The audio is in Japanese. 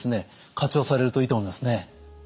活用されるといいと思いますね。